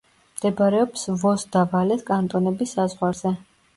მდებარეობს ვოს და ვალეს კანტონების საზღვარზე.